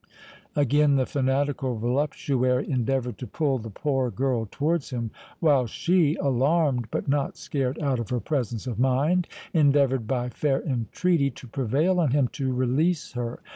Again the fanatical voluptuary endeavoured to pull the poor girl towards him, while she, alarmed, but not scared out of her presence of mind, endeavoured, by fair entreaty, to prevail on him to release her.